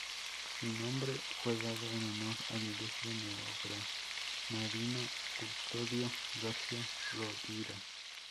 Su nombre fue dado en honor al ilustre neogranadino Custodio García Rovira.